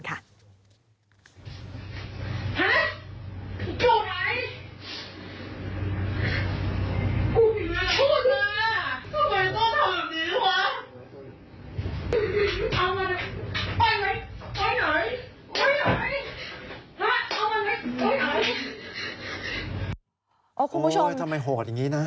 คุณผู้ชมทำไมโหดอย่างนี้นะ